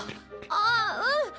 あっうん。